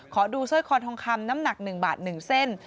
ขอดูสร้อยคอทองคำน้ำหนัก๑บาท๑เส้น